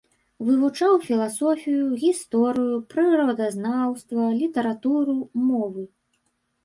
Вывучаў філасофію, гісторыю, прыродазнаўства, літаратуру, мовы.